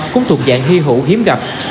cũng thuộc dạng hy hữu hiếm gặp